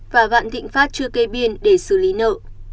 và vạn thịnh pháp chưa kê biên để xử lý nợ